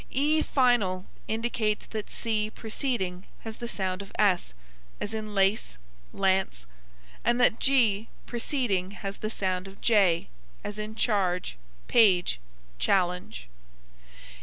E final indicates that c preceding has the sound of s; as in lace, lance, and that g preceding has the sound of j, as in charge, page, challenge.